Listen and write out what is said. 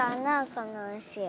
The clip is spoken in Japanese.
このうしは。